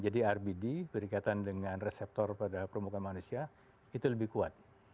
jadi r b d berikatan dengan reseptor pada permukaan manusia itu lebih kuat